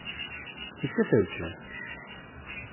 Esqueceuche?